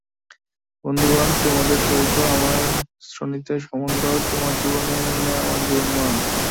বন্ধুগণ, তোমাদের সহিত আমার শোণিতের সম্বন্ধ, তোমাদের জীবনে মরণে আমার জীবনমরণ।